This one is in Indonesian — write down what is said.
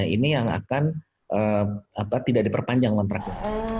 ini yang akan tidak diperpanjang kontraknya